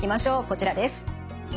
こちらです。